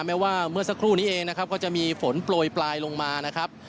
แม้ว่าเหมาะสักครู่นี้เองก็จะมีฝนโปรยปลายลงมา